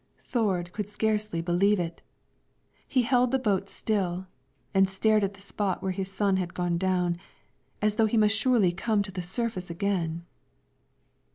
Thord could scarcely believe it; he held the boat still, and stared at the spot where his son had gone down, as though he must surely come to the surface again.